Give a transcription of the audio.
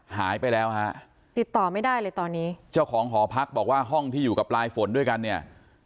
หายไปแล้วฮะติดต่อไม่ได้เลยตอนนี้เจ้าของหอพักบอกว่าห้องที่อยู่กับปลายฝนด้วยกันเนี่ย